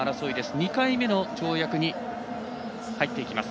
２回目の跳躍に入っていきます。